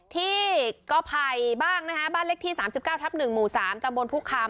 ที่ก้อภัยบ้างนะคะบ้านเลขที่สามสิบเก้าทับหนึ่งหมู่สามตำบนพุคคาม